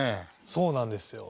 そうなんですよ。